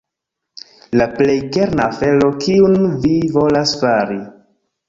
La plej kerna afero kiun vi volas fari.